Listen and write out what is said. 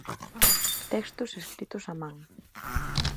Textos escritos a man.